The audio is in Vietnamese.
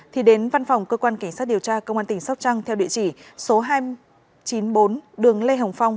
thì đến văn phòng cơ quan cảnh sát điều tra công an tỉnh sóc trăng theo địa chỉ số hai trăm chín mươi bốn đường lê hồng phong